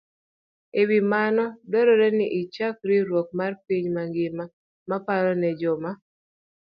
E wi mano, dwarore ni ochak riwruok mar piny mangima mar paro ne joma